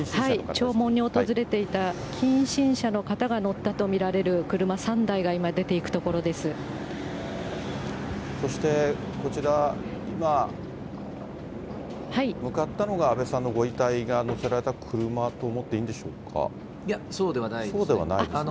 弔問に訪れていた近親者の方が乗ったと見られる車３台が今、そして、こちら、い向かったのが安倍さんのご遺体が乗せられた車と思っていいんでいや、そうではないですか。